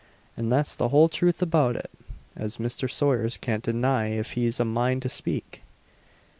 an that's the whole truth about it, as Mr. Sayers can't deny if he's a mind to speak."